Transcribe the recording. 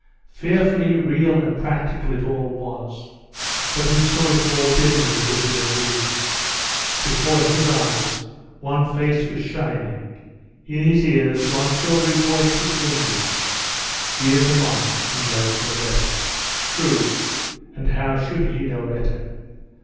Fearfully real and practical it all was; but he saw it all dimly as in a dream. Before his eyes one face was shining; in his ears one silvery voice was ringing.... 'He is a monk, and knows no better.'.... True! And how should he know better?